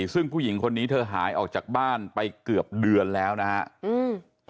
ซึ่งผู้หญิงคนนี้เธอหายออกจากบ้านไปเกือบเดือนแล้วนะครับ